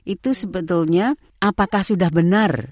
itu sebetulnya apakah sudah benar